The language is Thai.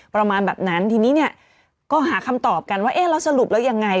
ประมาณแบบนั้นทีนี้ก็หาคำตอบกันว่าสรุปแล้วยังไง